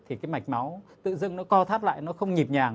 thì cái mạch máu tự dưng nó co thắt lại nó không nhịp nhàng